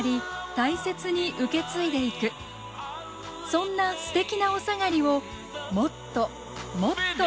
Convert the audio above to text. そんなステキなおさがりをもっともっと。